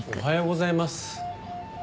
おはようございます。